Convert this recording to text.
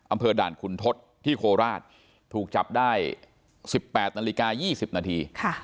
อำเภอด่านขุนทศที่โคราชถูกจับได้๑๘นาฬิกา๒๐นาที